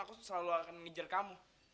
aku itu selalu akan menginjar kamu